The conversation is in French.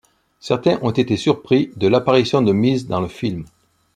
Certains ont été surpris de l'apparition de Miz dans le film.